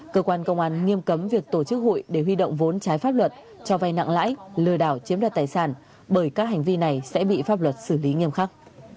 cơ quan công an nghiêm cấm việc tổ chức hội để huy động vốn trái pháp luật cho vay nặng lãi lừa đảo chiếm đoạt tài sản bởi các hành vi này sẽ bị pháp luật xử lý nghiêm khắc